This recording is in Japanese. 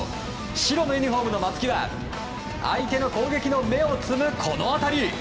白のユニホームの松木は相手の攻撃の芽を摘むこの当たり。